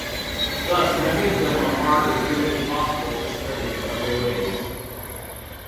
Thus many of them are hard or nearly impossible to study in other ways.